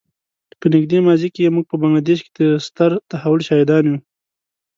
په نږدې ماضي کې موږ په بنګله دېش کې د ستر تحول شاهدان یو.